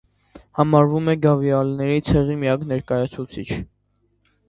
Համարվում է գավիալների ցեղի միակ ներկայացուցիչ։